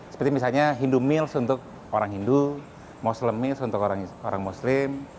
seperti misalnya hindu meals untuk orang hindu muslim miss untuk orang muslim